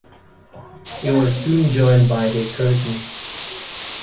It was soon joined by The Curtain.